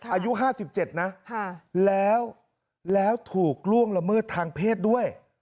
อายุ๕๗นะแล้วถูกล่วงละเมิดทางเพศด้วย